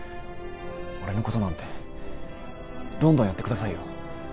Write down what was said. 俺のことなんてどんどんやってくださいよ